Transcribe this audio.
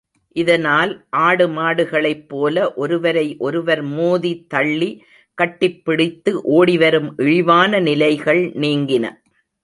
இதனால், ஆடு மாடுகளைப் போல ஒருவரை ஒருவர் மோதி தள்ளி, கட்டிப்பிடித்து ஓடிவரும் இழிவான நிலைகள் நீங்கின.